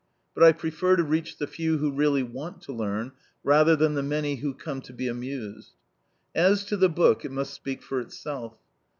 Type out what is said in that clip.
But I prefer to reach the few who really want to learn, rather than the many who come to be amused. As to the book, it must speak for itself.